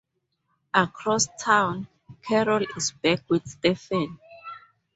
Across town, Carol is back with Stephen.